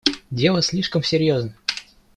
Дело слишком серьезное.